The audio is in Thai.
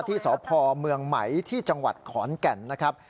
ที่สพเมืองไหมที่จังหวัดขอนแก่นนะครับ